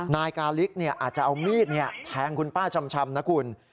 นายกาลิกอาจจะเอามีดแทงคุณป้าชำนะคุณ